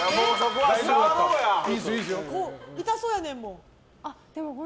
痛そうやねんもん。